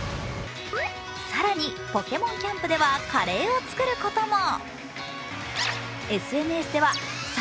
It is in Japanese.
更にポケモンキャンプではカレーを作ることも。